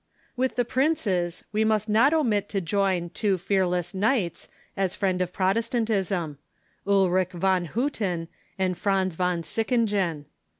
With the princes, we must not omit to join two fearless knights as friends of Protestantism — Ulrich von Ilutten and Franz von Sickingen.